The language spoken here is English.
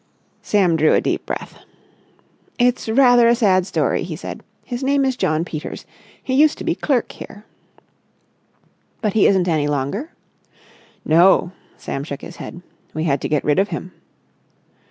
Sam drew a deep breath. "It's rather a sad story," he said. "His name is John Peters. He used to be clerk here." "But he isn't any longer?" "No." Sam shook his head. "We had to get rid of him."